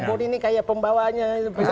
bang buni ini seperti pembawanya